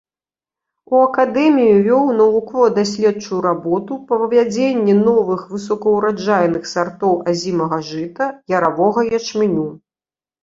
У акадэміі вёў навукова-даследчую работу па вывядзенні новых высокаўраджайных сартоў азімага жыта, яравога ячменю.